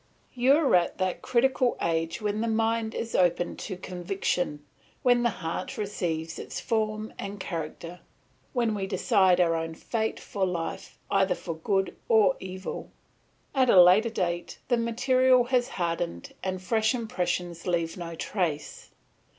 "You are at that critical age when the mind is open to conviction, when the heart receives its form and character, when we decide our own fate for life, either for good or evil. At a later date, the material has hardened and fresh impressions leave no trace.